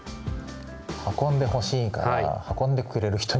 運んでほしいから運んでくれる人に連絡する。